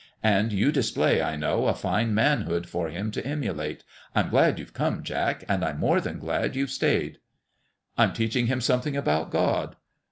And you display, I know, a fine manhood for him to emulate. I'm glad you've come, Jack, and I'm more than glad you've stayed." " I'm teaching him something about God."